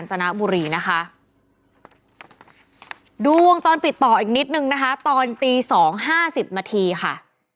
ตอนตี๒๕๐มค่ะ